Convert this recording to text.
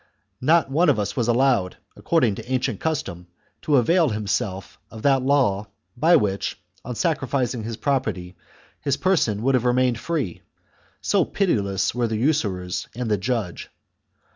Not one of us was allowed,, according to ancient custom, to avail himself of that law, by which, on sacrificing his property, his person would have remained free; so pitiless were the usurers and the judge.